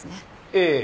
ええ。